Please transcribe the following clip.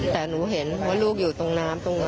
แต่หนูเห็นว่าลูกอยู่ตรงน้ำตรงนั้น